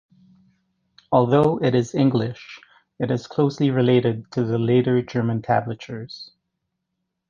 Although it is English, it is closely related to the later German tablatures.